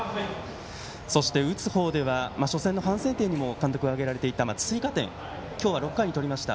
そして、打つ方では初戦の反省点として監督も挙げられていた追加点、今日は６回にとりました。